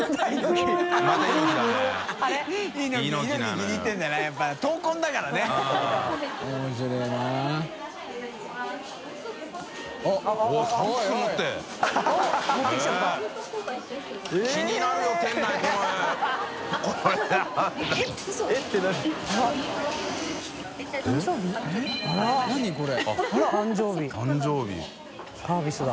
太呼サービスだ。